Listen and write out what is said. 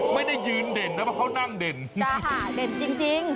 ไม่ได้ยืนเด่นแล้วก็เขานั่งเด่นจ้าเด่นจริง